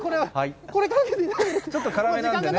ちょっと辛めなんでね。